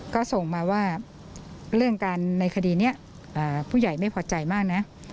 ก็ส่งมาว่าเรื่องการในคดีนี้ผู้ใหญ่ไม่พอใจมากนะ